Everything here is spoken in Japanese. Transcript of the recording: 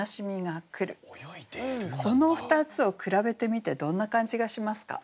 この２つを比べてみてどんな感じがしますか？